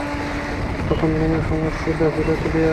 তখন রোমের সম্রাট ছিল হিরাক্লিয়াস।